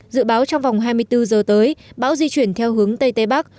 dự báo trong vòng hai mươi bốn giờ tới bão di chuyển theo hướng tây tây bắc